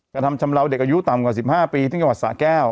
กระทำชำระวเด็กอายุต่ำกว่า๑๕ปีที่เกาะสระแก้ว